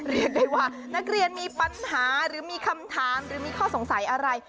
เรียกได้ว่านักเรียนมีปัญหาหรือมีคำถามหรือมีข้อสงสัยอะไร